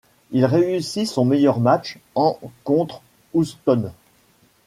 Il réussit son meilleur match en contre Houston.